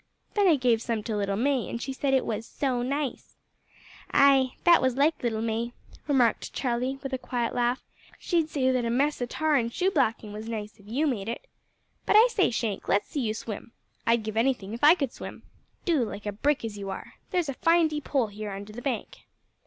Then I gave some to little May, and she said it was `So nice.'" "Ay. That was like little May," remarked Charlie, with a quiet laugh; "she'd say that a mess o' tar an' shoe blacking was nice if you made it. But I say, Shank, let's see you swim. I'd give anything if I could swim. Do, like a brick as you are. There's a fine deep hole here under the bank."